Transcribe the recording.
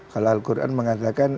kalau al quran mengatakan